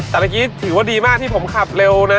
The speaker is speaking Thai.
แต่เมื่อกี้ถือว่าดีมากที่ผมขับเร็วนะ